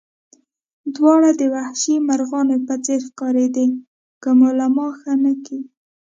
دواړه د وحشي مرغانو په څېر ښکارېدې، که مو له ما ښه نه کېږي.